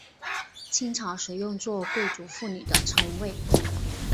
清朝时用作贵族妇女的称谓。